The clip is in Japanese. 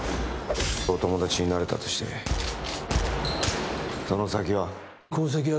お友達になれたとしてその先は？